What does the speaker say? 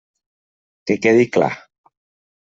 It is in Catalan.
Que quedi clar.